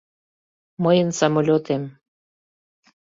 Мыйын самолётем.